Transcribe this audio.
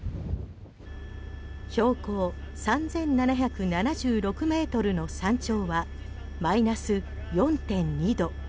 標高３７７６ｍの山頂はマイナス４．２度。